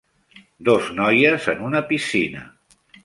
Dos noies en una piscina.